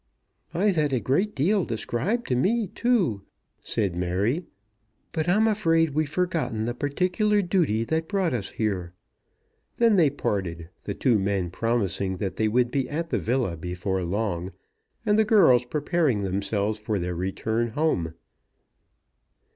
"I've had a great deal described to me too," said Mary; "but I'm afraid we've forgotten the particular duty that brought us here." Then they parted, the two men promising that they would be at the villa before long, and the girls preparing themselves for their return home.